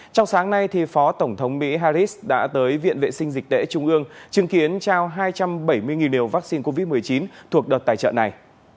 trong sáng nay phó tổng thống mỹ harris đã tới viện vệ sinh dịch tễ trung ương chứng kiến trao hai trăm bảy mươi liều vaccine covid một mươi chín thuộc đợt tài trợ này